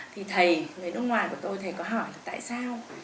thì thầy người nước ngoài của tôi thấy có hỏi là tại sao